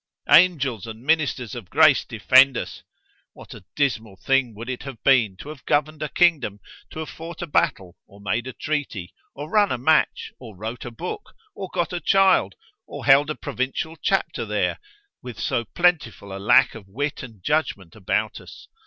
Angels and ministers of grace defend us! what a dismal thing would it have been to have governed a kingdom, to have fought a battle, or made a treaty, or run a match, or wrote a book, or got a child, or held a provincial chapter there, with so plentiful a lack of wit and judgment about us!